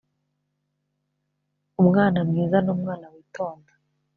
Umwana mwiza n umwana witonda